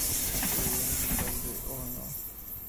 El video musical de "Oh No!